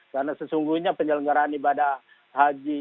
karena sesungguhnya penyelenggaran ibadah haji